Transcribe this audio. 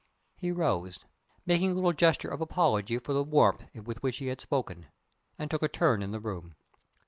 He rose making a little gesture of apology for the warmth with which he had spoken and took a turn in the room.